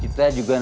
ya ada tiga orang